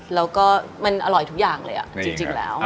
แล้วก็มันอร่อยทุกอย่างเลยจริงแล้ว